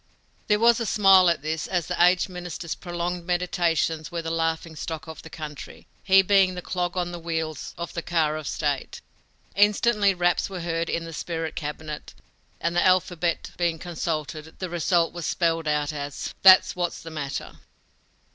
There was a smile at this, as the aged minister's prolonged meditations were the laughing stock of the country, he being the clog on the wheels of the car of state. Instantly raps were heard in the spirit cabinet, and, the alphabet being consulted, the result was spelled out as: "That's what's the matter!"